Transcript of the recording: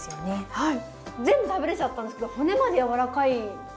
はい。